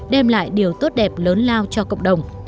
đem lại điều tốt đẹp lớn lao cho cộng đồng